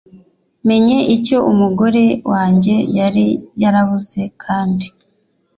menye icyo umugore wanjye yari yarabuze kandi